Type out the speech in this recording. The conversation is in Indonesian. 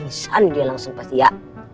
insya allah dia langsung pasti ya